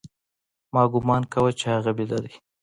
ما گومان کاوه چې هغه بيده دى.